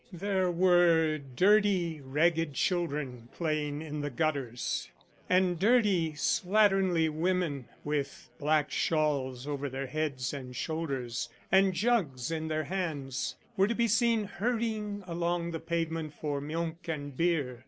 There were dirty ragged children playing in the gutters, and dirty slatternly women, with black shawls over their heads and shoulders and jugs in their hands, were to be seen hurrying along the pavement for milk and beer.